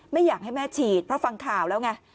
ไม่อยากให้แม่ฉีดเพราะฟังข่าวแล้วไง